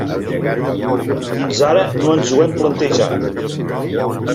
Fins ara no ens ho hem plantejat.